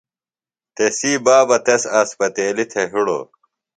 تسی بابہ تس اسپتیلیۡ تھےۡ ہڑوۡ۔